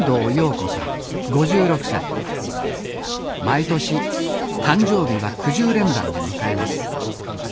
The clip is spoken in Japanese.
毎年誕生日はくじゅう連山で迎えます。